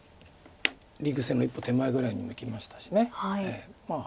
リーグ戦の一歩手前ぐらいまでいきましたし。